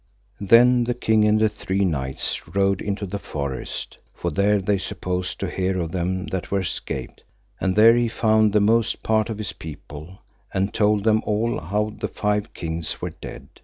Then the king and the three knights rode into the forest, for there they supposed to hear of them that were escaped; and there he found the most part of his people, and told them all how the five kings were dead.